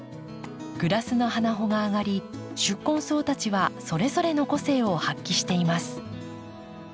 グラスの花穂があがり宿根草たちはそれぞれの個性を発揮しています。